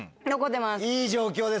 いい状況ですね。